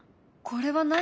これは何？